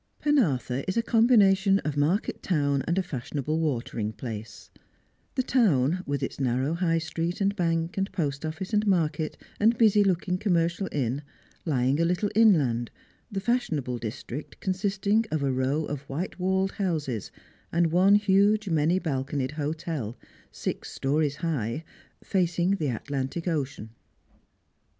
Penarthur is a combination of market town and a fashionable watering place ; the town, with its narrow High street, and bank, and post office, and market, and busy looking commercial inu, lying a little inland, the fashionable district J3SS Strangers and Pilgrims. consisting of a re w of white walled houses and one huge many balconied hotel, six stones high, facing the Atlantic Ocean.